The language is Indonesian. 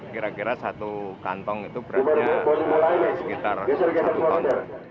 kira kira satu kantong itu beratnya sekitar satu ton